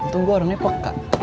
tunggu adonannya pek kak